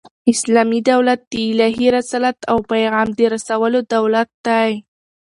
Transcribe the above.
اسلامي دولت د الهي رسالت او پیغام د رسولو دولت دئ.